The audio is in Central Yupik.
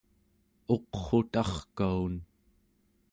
uqrutarkaun